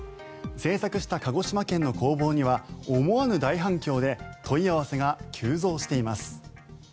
制作した鹿児島県の工房には思わぬ大反響で問い合わせが急増しています。